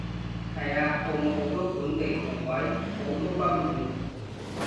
係啊，澳門好多本地窮鬼，好多不滿